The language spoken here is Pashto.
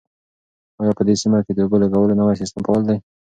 آیا په دې سیمه کې د اوبو لګولو نوی سیستم فعال دی؟